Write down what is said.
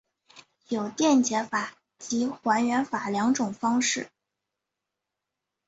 有电解法及还原法两种方式。